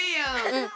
うん！